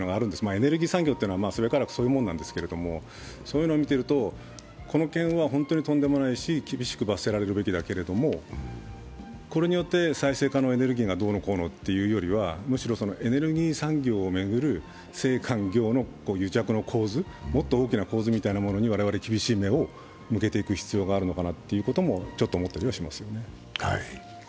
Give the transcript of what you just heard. エネルギー産業というのはすべからくそういうものですけれどもそういうのを見ていると、この件は本当にとんでもないし厳しく罰せられるべきだけどこれによって再生可能エネルギーがどうのこうのというよりは、むしろエネルギー産業を巡る政官業の癒着の構図、もっと大きな構図みたいなものに我々は厳しい目を向けていく必要があるのかなと、ちょっと思ったりはしますけどね。